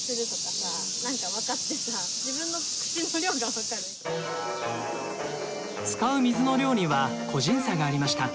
えっ⁉使う水の量には個人差がありました。